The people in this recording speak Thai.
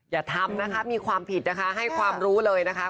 อย่าทำนะคะมีความผิดนะคะให้ความรู้เลยนะคะ